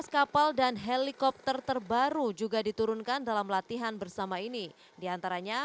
kapal dan helikopter terbaru juga diturunkan dalam latihan bersama ini diantaranya